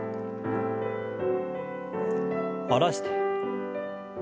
下ろして。